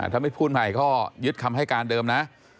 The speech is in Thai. ถ้าไม่พูดใหม่ก็ยึดคำให้การเดิมนะ